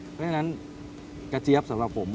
เพราะฉะนั้นกระเจี๊ยบสำหรับผม